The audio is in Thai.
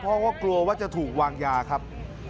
พ่อก็กลัวว่าจะถูกวางยาครับ